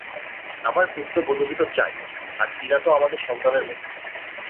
আমার পুত্রবধূকে তো চাই, আর টিনা তো আমাদের সন্তানের মতো।